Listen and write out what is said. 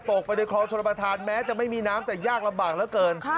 ตกไปในคลองชนประธานแม้จะไม่มีน้ำแต่ยากลำบากเหลือเกิน